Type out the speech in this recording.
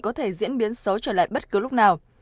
có thể diễn biến xấu trở lại bất cứ lúc nào